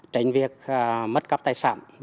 tránh việc mất các tài sản